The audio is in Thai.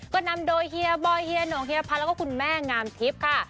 ก็นำโดยเฮียบอยเฮียหนงเฮียพันธ์แล้วก็คุณแม่งามทิพย์ค่ะ